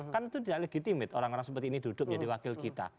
kan itu tidak legitimit orang orang seperti ini duduk jadi wakil kita